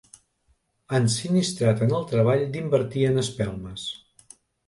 Ensinistrat en el treball d'invertir en espelmes.